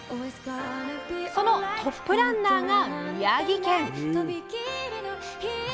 そのトップランナーが宮城県！